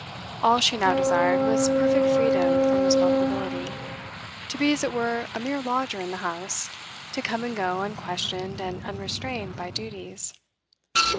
All she now desired was perfect freedom from responsibility, to be, as it were, a mere lodger in the house, to come and go unquestioned and unrestrained by duties.